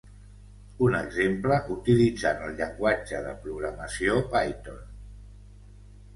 Un exemple utilitzant el llenguatge de programació Python.